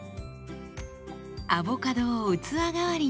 アボカドを器代わりに。